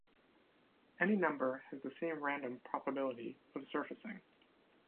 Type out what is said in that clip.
Any number has the same random probability of surfacing.